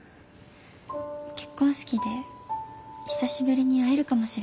結婚式で久しぶりに会えるかもしれないんです母と。